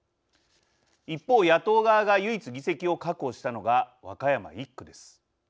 一方野党側が唯一議席を確保したのが和歌山１区です。